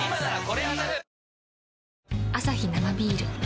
アサヒ生ビール